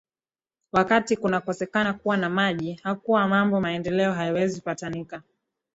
wakati kunakosekana kuwa na maji aa hakuwa mambo maendeleo haiwezi patikana